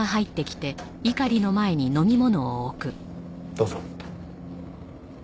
どうぞ。